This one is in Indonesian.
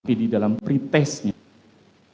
yang berarti itu adalah perselingkuhan